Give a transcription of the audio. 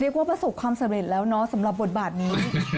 เรียกว่าประสุนความสำเร็จแล้วสำหรับบทบาทนี้